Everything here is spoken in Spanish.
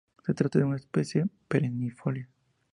Se trata de una especie perennifolia.